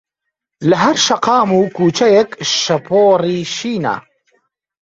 لەهەر شەقام و کووچەیەک شەپۆڕی شینە